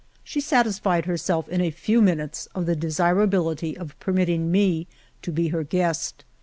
She satisfied herself in a few minutes of the desirability of permitting me to be her guest.